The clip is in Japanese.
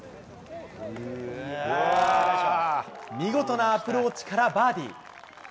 見事なアプローチからバーディー。